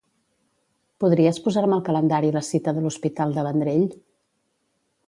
Podries posar-me al calendari la cita de l'Hospital de Vendrell?